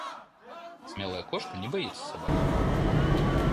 Смелая кошка не боится собак.